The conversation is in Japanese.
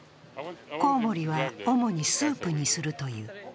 コウモリは主にスープにするという。